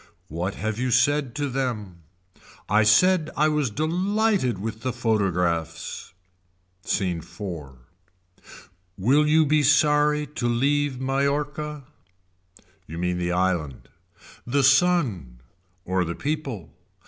What have you said to them. I said I was delighted with the photographs. Scene IV. Will you be sorry to leave Mallorca. You mean the island. The sun. Or the people.